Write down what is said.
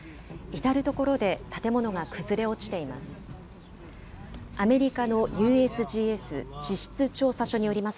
至る所で建物が崩れ落ちています。